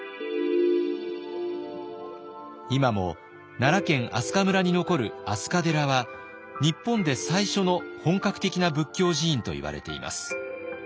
今も奈良県明日香村に残る飛鳥寺は日本で最初の本格的な仏教寺院といわれています。